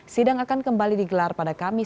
sidang akan kembali di kota kediri